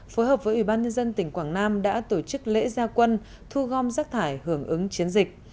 phối hợp với ủy ban nhân dân tỉnh quảng nam đã tổ chức lễ gia quân thu gom rác thải hưởng ứng chiến dịch